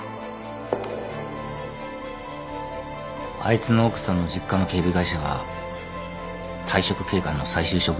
あいつの奥さんの実家の警備会社は退職警官の再就職口だ。